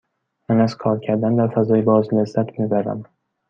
من از کار کردن در فضای باز لذت می برم.